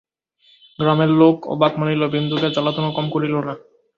গ্রামের লোক অবাক মানিল বিন্দুকে জ্বালাতনও কম করিল না।